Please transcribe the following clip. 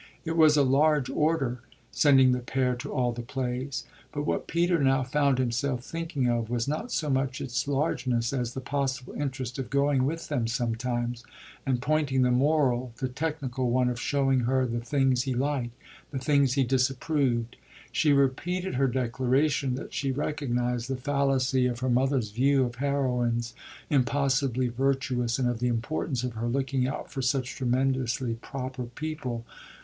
It was a large order, sending the pair to all the plays; but what Peter now found himself thinking of was not so much its largeness as the possible interest of going with them sometimes and pointing the moral the technical one of showing her the things he liked, the things he disapproved. She repeated her declaration that she recognised the fallacy of her mother's view of heroines impossibly virtuous and of the importance of her looking out for such tremendously proper people.